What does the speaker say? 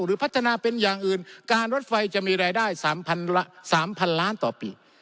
พัฒนาเป็นอย่างอื่นการรถไฟจะมีรายได้๓๐๐๐ล้านต่อปี